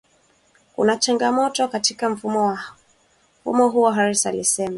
Kuna changamoto nyingi katika mfumo huo Harris alisema